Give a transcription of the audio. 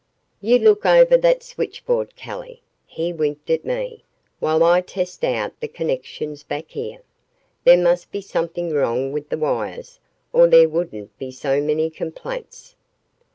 "You look over that switchboard, Kelly," he winked at me, "while I test out the connections back here. There must be something wrong with the wires or there wouldn't be so many complaints."